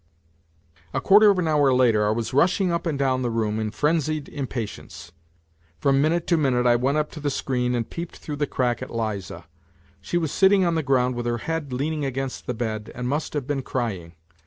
A quarter of an hour later I was rushing up and down the room in frenzied impatience, from minute to minute I went up to the screen and peeped through the crack at Liza. She was sitting on the ground with her head leaning against the bed, and must have been crying.